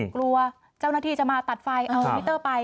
กลัวเจ้าหน้าที่จะมาตัดไฟเอามิเตอร์ไป